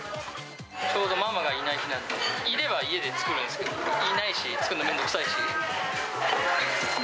ちょうどママがいない日なので、いれば家で作るんですけど、いないし、作るの面倒くさいし。